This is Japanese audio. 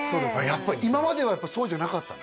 やっぱ今まではそうじゃなかったの？